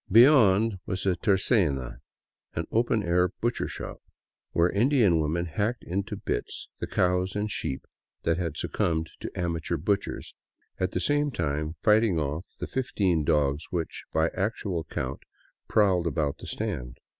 Beyond, was a tercena, an open air butchershop, where Indian women hacked into bits the cows and sheep that had succumbed to amateur butchers, at the same time fighting off the fifteen dogs which, by actual count, prowled about the stand.